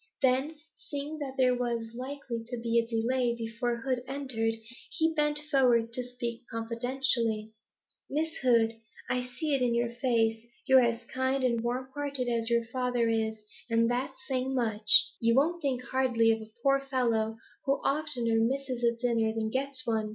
Then, seeing that there was likely to be a delay before Hood entered, he bent forward to speak confidentially. 'Miss Hood, I see it in your face, you're as kind and warm hearted as your father is, and that's saying much. You won't think hardly of a poor fellow who oftener misses a dinner than gets one?